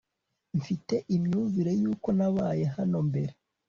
mfite imyumvire yuko nabaye hano mbere